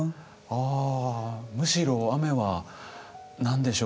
あむしろ雨は何でしょう